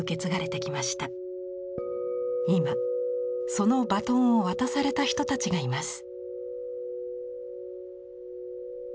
今そのバトンを渡された人たちがいます。